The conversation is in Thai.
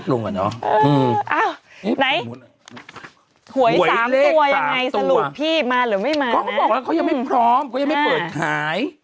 ก็บอกว่าเขายังไม่พร้อมก็ยังไม่เปิดขาย